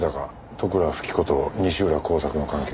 利倉富貴子と西浦幸作の関係。